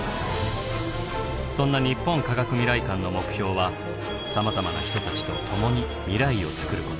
そんな日本科学未来館の目標はさまざまな人たちと共に未来をつくること。